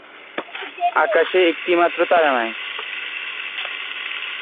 আকাশে একটিমাত্র তারা নাই।